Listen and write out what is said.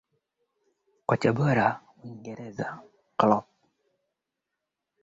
wimbo haumtoi msikilizaji nje ya mada inayojadiliwa